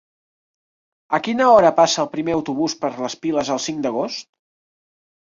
A quina hora passa el primer autobús per les Piles el cinc d'agost?